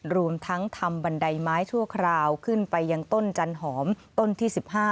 รวมทั้งทำบันไดไม้ชั่วคราวขึ้นไปยังต้นจันหอมต้นที่๑๕